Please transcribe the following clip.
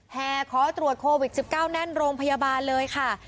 แห่ขอตรวจโควิด๑๙แน่นโรงพยาบาลเลยค่ะ